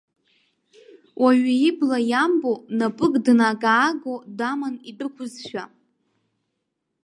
Уаҩы ибла иамбо напык днага-ааго даман идәықәызшәа.